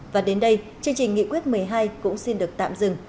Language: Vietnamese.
và đến đây chương trình nghị quyết một mươi hai cũng xin được tạm dừng